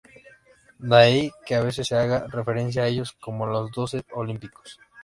De ahí que a veces se haga referencia a ellos como "los doce olímpicos".